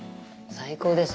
最高です。